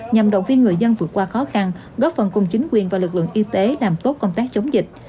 nhằm động viên người dân vượt qua khó khăn góp phần cùng chính quyền và lực lượng y tế làm tốt công tác chống dịch